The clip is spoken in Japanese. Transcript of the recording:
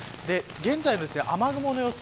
現在の雨雲の様子